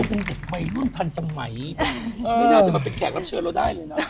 คุณเด็กใหม่น่าจะมาเป็นแขกรับเชื่อเราได้เลยนะ